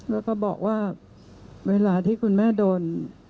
แล้วก็บอกว่าเวลาที่คุณแม่โดน